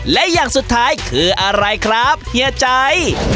และอย่างสุดท้ายคืออะไรครับเฮียใจ